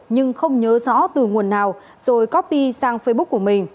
nhưng không nhớ rõ từ nguồn nào rồi copy sang facebook của mình